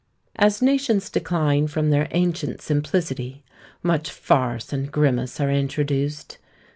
As nations decline from their ancient simplicity, much farce and grimace are introduced.